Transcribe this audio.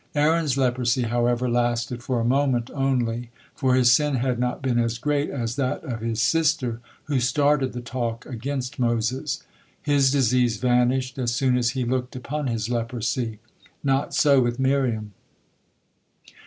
Aaron's leprosy, however, lasted for a moment only, for his sin had not been as great as that of his sister, who started the talk against Moses. His disease vanished as soon as he looked upon his leprosy. Not so with Miriam.